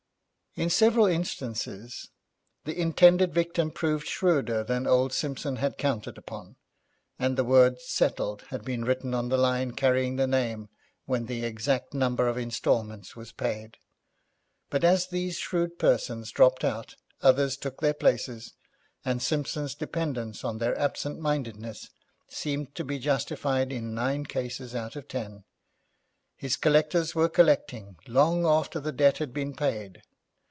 In several instances the intended victim proved shrewder than old Simpson had counted upon, and the word 'Settled' had been written on the line carrying the name when the exact number of instalments was paid. But as these shrewd persons dropped out, others took their places, and Simpson's dependence on their absent mindedness seemed to be justified in nine cases out of ten. His collectors were collecting long after the debt had been paid.